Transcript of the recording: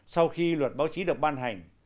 sau khi luật báo chí được ban hành